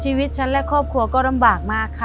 ชีวิตฉันและครอบครัวก็ลำบากมากค่ะ